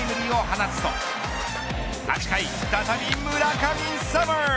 床田から初回先制のタイムリーを放つと８回、再び村神様。